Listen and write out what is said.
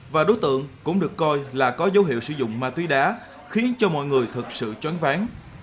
và đối tượng cũng được coi là có dấu hiệu sử dụng ma túy đá khiến cho mọi người thật sự choán ván